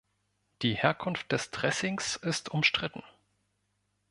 Die Herkunft des Dressings ist umstritten.